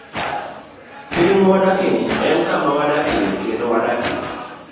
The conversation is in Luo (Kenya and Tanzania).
Piny mwadakieni en kama wadakie kendo wadakie.